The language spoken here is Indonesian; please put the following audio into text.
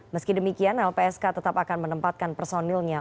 meski demikian lpsk tetap akan menempatkan personilnya